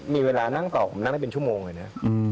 มีเวลานั้กก่อนหนักได้เป็นชั่วโมงเลยครับ